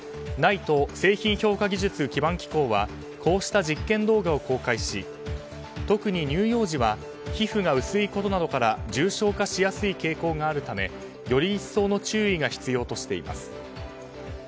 ＮＩＴＥ・製品評価技術基盤機構はこうした実験動画を公開し特に乳幼児は皮膚が薄いことなどから重傷化しやすい傾向があるためより一層の注意が必要としています。